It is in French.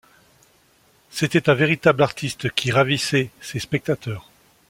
C'était un véritable artiste qui ravissait les spectateurs.